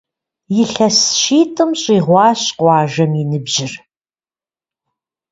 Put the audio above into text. Илъэс щитӏым щӏигъуащ къуажэм и ныбжьыр.